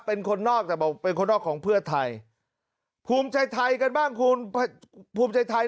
เป็นคนนอกแต่บอกเป็นคนนอกของเพื่อไทยภูมิใจไทยกันบ้างคุณภูมิใจไทย